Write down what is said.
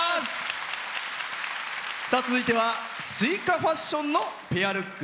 続いてはすいかファッションのペアルック。